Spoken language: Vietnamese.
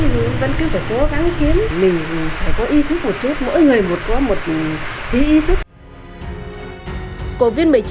mình phải có ý thức một chút mỗi người một có một ít ý thức